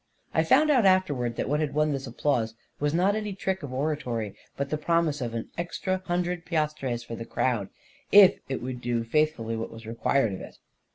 I found out afterwards that what had won this ap plause was not any trick of oratory, but the promise of an extra hundred piastres for the crowd, if it would do faithfully what was required of it.